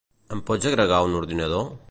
Em pots agregar un ordinador?